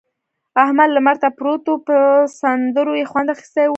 احمد لمر ته پروت وو؛ پر سندرو يې خوند اخيستی وو.